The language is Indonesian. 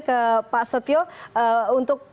ke pak setio untuk